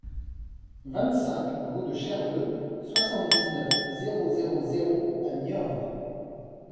vingt-cinq route de Cherveux, soixante-dix-neuf, zéro zéro zéro à Niort